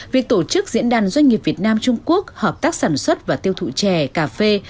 việc tổ chức diễn đàn doanh nghiệp việt nam trung quốc hợp tác sản xuất và tiêu thụ chè cà phê